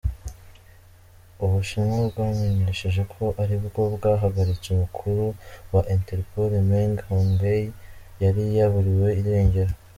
Ubushinwa bwamenyesheje ko ari bwo bwahagaritse umukuru wa Interpol Meng Hongwei yari yaburiwe irengero.